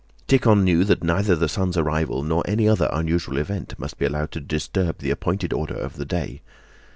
Tíkhon knew that neither the son's arrival nor any other unusual event must be allowed to disturb the appointed order of the day.